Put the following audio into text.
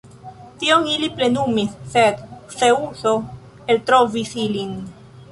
Tion ili plenumis, sed Zeŭso eltrovis ilin.